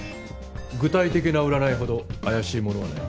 具体的な占いほど怪しいものはない。